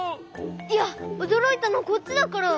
いやおどろいたのこっちだから！